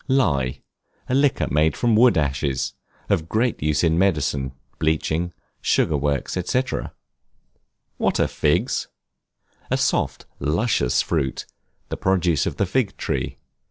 Lye, a liquor made from wood ashes; of great use in medicine, bleaching, sugar works, &c. What are Figs? A soft, luscious fruit, the produce of the fig tree.